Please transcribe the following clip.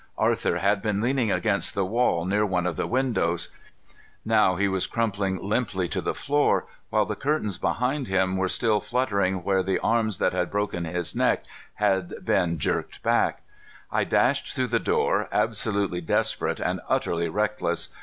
Arthur had been leaning against the wall near one of the windows. Now he was crumpling limply to the floor, while the curtains behind him were still fluttering where the arms that had broken his neck had beat jerked back. I dashed through the door, absolutely desperate and utterly reckless.